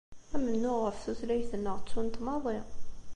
Amennuɣ ɣef tutlayt-nneɣ ttun-t maḍi.